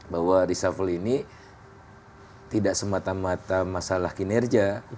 bahwa reshuffle ini tidak semata mata masalah kinerja